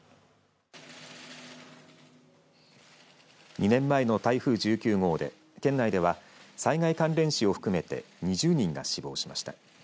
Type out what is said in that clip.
２年前の台風１９号で県内では災害関連死を含めて２０人が死亡しました。